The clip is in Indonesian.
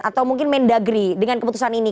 atau mungkin mendagri dengan keputusan ini